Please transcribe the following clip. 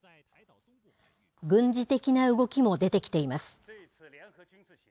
軍事的な動きも出てきています。